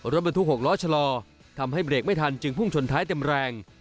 รถบรรทุก๖ล้อชะลอทำให้เบรกไม่ทันจึงพุ่งชนท้ายเต็มแรง